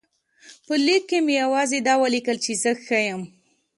په لیک کې مې یوازې دا ولیکل چې زه ښه یم.